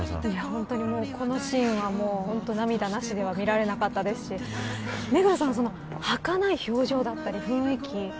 本当に、このシーンは涙なしでは見られなかったですし目黒さん、はかない表情だったり雰囲気